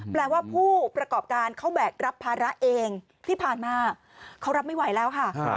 แปลว่าผู้ประกอบการเขาแบกรับภาระเองที่ผ่านมาเขารับไม่ไหวแล้วค่ะ